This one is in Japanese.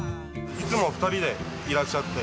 いつも二人でいらっしゃって。